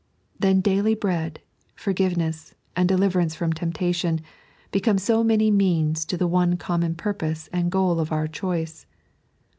Then daily bread, forgiveness, and deliverance from temptation, become so many means to the one common purpose and goal of our choice.